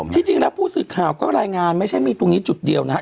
จริงแล้วผู้สื่อข่าวก็รายงานไม่ใช่มีตรงนี้จุดเดียวนะครับ